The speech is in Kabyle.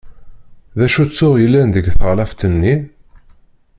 D acu tuɣ yellan deg teɣlaft-nni?